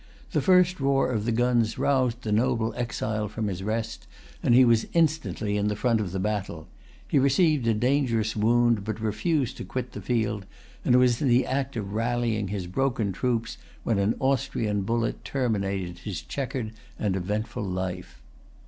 The first roar of the guns roused the noble exile from his rest, and he was instantly in the front of the battle. He received a dangerous wound, but refused to quit the field, and was in the act of rallying his broken troops when an Austrian bullet terminated his checkered and eventful life.